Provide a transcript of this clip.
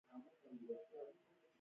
هڅه هیڅکله ضایع نه کیږي